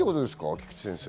菊地先生。